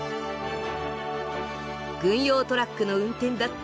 軍用トラックの運転だって